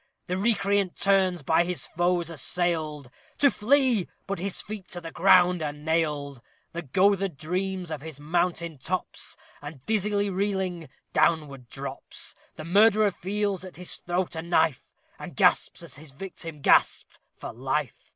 The recreant turns, by his foes assailed, To flee! but his feet to the ground are nailed. The goatherd dreams of his mountain tops, And, dizzily reeling, downward drops. The murderer feels at his throat a knife, And gasps, as his victim gasped, for life!